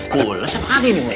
pules apa lagi ini weh